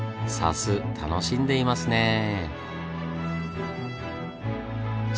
砂州楽しんでいますね。